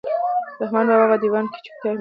د رحمان بابا په دیوان کې د چوپتیا مشوره شوې وه.